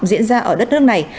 diễn ra ở đất nước này